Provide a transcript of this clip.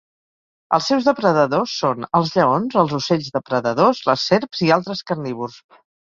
Els seus depredadors són els lleons, els ocells depredadors, les serps i altres carnívors.